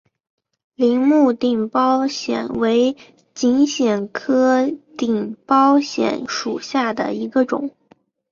铃木顶苞藓为锦藓科顶苞藓属下的一个种。